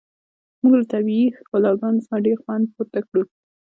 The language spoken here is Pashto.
موږ له طبیعي ښکلاګانو څخه ډیر خوند پورته کړ